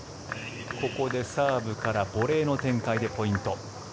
ここでサーブからボレーの展開でポイント。